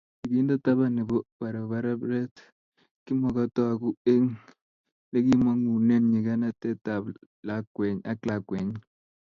kikinde taban ne bo barabaret kimokotoku eng likimongunee nyikanatet ak lakwenyi